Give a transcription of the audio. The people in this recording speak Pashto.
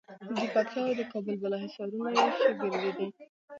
د پکتیا او د کابل بالا حصارونه یې ښې بېلګې دي.